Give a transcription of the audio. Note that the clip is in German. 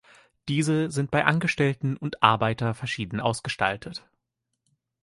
Diese sind bei Angestellten und Arbeiter verschieden ausgestaltet.